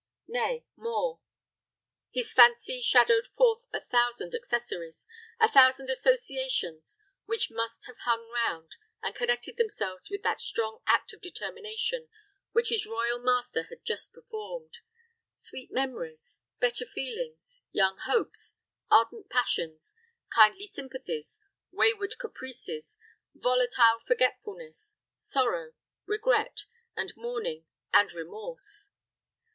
Nay more, his fancy shadowed forth a thousand accessories a thousand associations, which must have hung round, and connected themselves with that strong act of determination which his royal master had just performed sweet memories, better feelings, young hopes, ardent passions, kindly sympathies, wayward caprices, volatile forgetfulness, sorrow, regret, and mourning, and remorse.